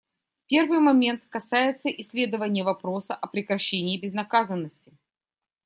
Первый момент касается исследования вопроса о прекращении безнаказанности.